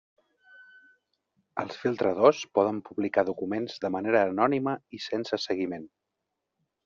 Els filtradors poden publicar documents de manera anònima i sense seguiment.